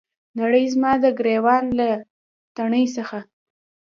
نړۍ زما د ګریوان له تڼۍ څخه